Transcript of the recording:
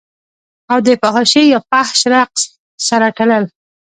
او دفحاشۍ يا فحش رقص سره تړل